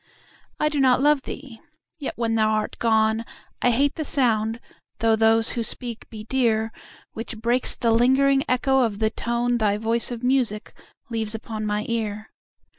I do not love thee! yet when thou art gone I hate the sound (though those who speak be dear) Which breaks the lingering echo of the tone Thy voice of music leaves upon my ear.